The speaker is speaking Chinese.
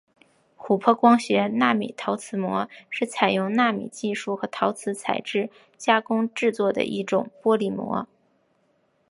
琥珀光学纳米陶瓷膜是采用纳米技术和陶瓷材质加工制作的一种玻璃膜。